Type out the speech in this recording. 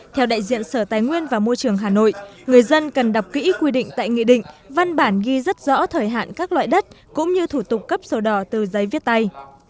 theo đại diện sở tài nguyên và môi trường hà nội người dân cần đọc kỹ quy định tại nghị định văn bản ghi rất rõ thời hạn các loại đất cũng như thủ tục cấp sổ đỏ từ giấy viết tay